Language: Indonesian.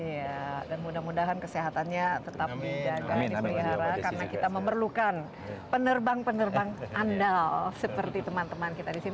ya dan mudah mudahan kesehatannya tetap diperlihara karena kita memerlukan penerbang penerbang andal seperti teman teman kita disini